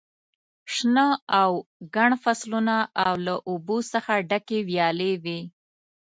شنه او ګڼ فصلونه او له اوبو څخه ډکې ویالې وې.